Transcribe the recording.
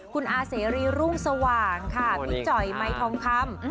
คุณอาเสรีรุ่งสว่างพิจอยไม้ทองคำ